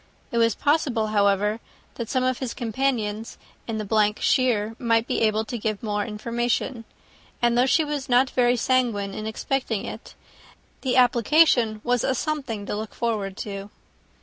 It was possible, however, that some of his companions in the shire might be able to give more information; and though she was not very sanguine in expecting it, the application was a something to look forward to.